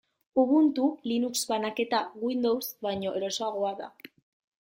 Ubuntu, Linux banaketa, Windows baino erosoagoa da.